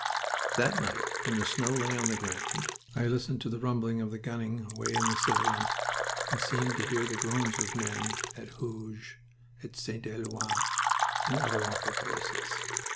That night, when the snow lay on the ground, I listened to the rumbling of the gunning away in the salient, and seemed to hear the groans of men at Hooge, at St. Eloi, in other awful places.